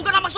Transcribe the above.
aku gak mau